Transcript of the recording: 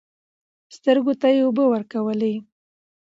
سترګو ته يې اوبه ورکولې .